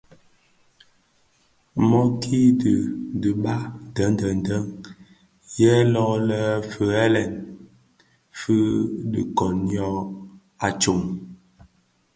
Mōōki dhi a diba deň deň deň yè lō lè fighèlèn fi dhi koň ňyô a tsom.